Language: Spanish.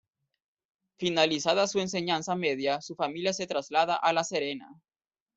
Finalizada su enseñanza media su familia se traslada a La Serena.